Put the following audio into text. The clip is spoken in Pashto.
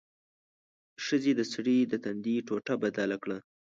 ښځې د سړي د تندي ټوټه بدله کړه.